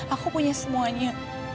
aku punya semuanya